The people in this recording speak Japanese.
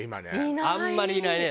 あんまりいないね。